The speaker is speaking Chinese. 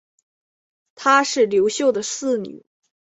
她是刘秀的四女。